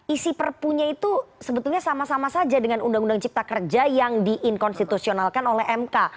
isi perpunya itu sebetulnya sama sama saja dengan undang undang cipta kerja yang diinkonstitusionalkan oleh mk